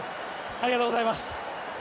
ありがとうございます。